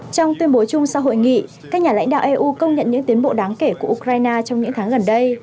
trong tuyên bố chung sau hội nghị các nhà lãnh đạo eu công nhận những tiến bộ đáng kể của ukraine trong những tháng gần đây